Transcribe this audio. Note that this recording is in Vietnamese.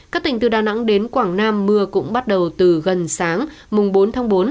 các tỉnh từ đà nẵng đến quảng nam mưa cũng bắt đầu từ gần sáng mùng bốn tháng bốn